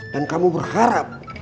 dan kamu berharap